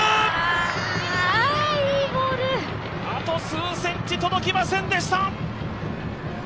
あと数センチ届きませんでした。